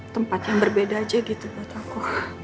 tempat yang berbeda aja gitu buat aku